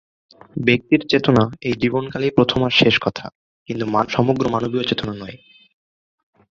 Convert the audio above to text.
হিন্দু, বৌদ্ধ ও জৈন প্রত্যেকটা ধর্মে এই প্রতীকের গুরুত্ব রয়েছে।